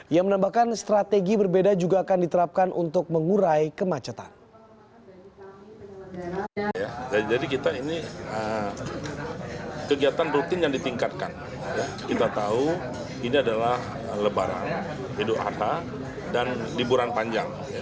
ia menambahkan strategi berbeda juga akan diterapkan untuk mengurai kemacetan